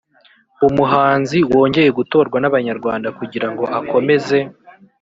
umuhanzi wongeye gutorwa n’abanyarwanda kugira ngo akomeze